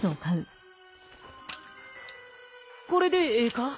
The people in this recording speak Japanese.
これでええか？